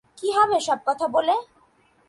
কী হবে সব কথা বলে?